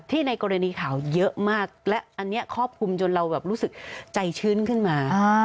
ในกรณีข่าวเยอะมากและอันนี้ครอบคลุมจนเราแบบรู้สึกใจชื้นขึ้นมา